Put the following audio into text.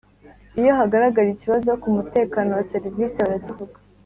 Iyo hagaragara ikibazo ku mutekano wa serivisi barakivuga.